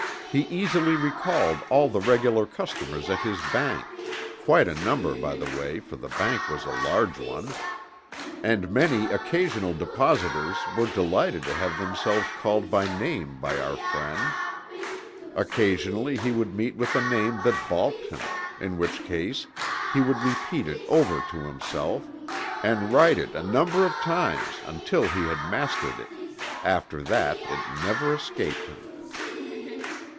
He easily recalled all the regular customers at his bank, quite a number by the way for the bank was a large one and many occasional depositors were delighted to have themselves called by name by our friend. Occasionally he would meet with a name that balked him, in which case he would repeat it over to himself, and write it a number of times until he had mastered it after that it never escaped him.